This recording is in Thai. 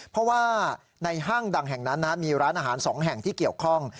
เพราะว่าในห้างดังแห่งนั้นมีร้านอาหาร๒แห่งที่เกี่ยวข้อง